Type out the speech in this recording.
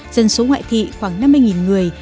dân số ngoại thị khoảng năm mươi người